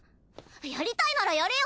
やりたいならやれよ！